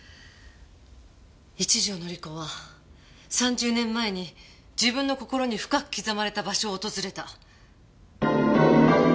一条典子は３０年前に自分の心に深く刻まれた場所を訪れた。